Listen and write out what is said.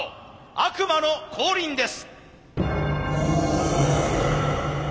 悪魔の降臨です。